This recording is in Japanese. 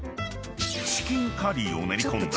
［チキンカリーを練り込んだ